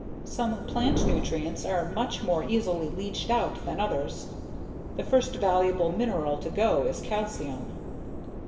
Some plant nutrients are much more easily leached out than others. The first valuable mineral to go is calcium.